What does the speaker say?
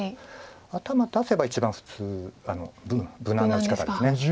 頭出せば一番普通無難な打ち方です。